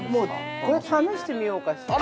◆これ試してみようかしら。